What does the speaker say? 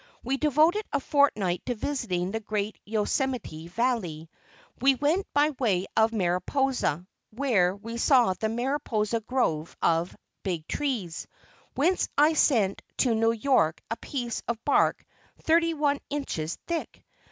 We devoted a fortnight to visiting the great Yo Semite Valley. We went by way of Mariposa where we saw the Mariposa grove of "big trees," whence I sent to New York a piece of bark thirty one inches thick!